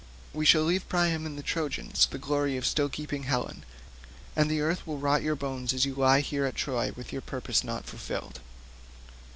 We shall leave Priam and the Trojans the glory of still keeping Helen, and the earth will rot your bones as you lie here at Troy with your purpose not fulfilled.